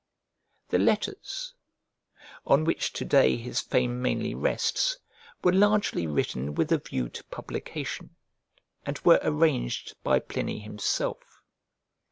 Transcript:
The letters, on which to day his fame mainly rests, were largely written with a view to publication, and were arranged by Pliny himself.